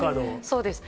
そうです。